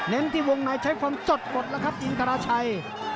ที่วงในใช้ความสดหมดแล้วครับอินทราชัย